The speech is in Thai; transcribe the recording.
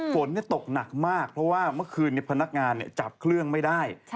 ฝนตกหนักมากเพราะว่าเมื่อคืนนี้พนักงานจับเครื่องไม่ได้